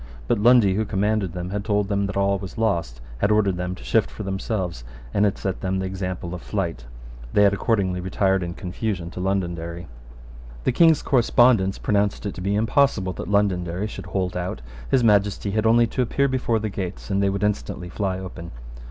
But Lundy, who commanded them, had told them that all was lost, had ordered them to shift for themselves, and had set them the example of flight, They had accordingly retired in confusion to Londonderry. The King's correspondents pronounced it to be impossible that Londonderry should hold out. His Majesty had only to appear before the gates; and they would instantly fly open.